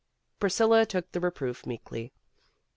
Priscilla took the reproof meekly.